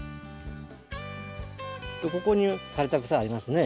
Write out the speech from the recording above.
ここに枯れた草ありますね。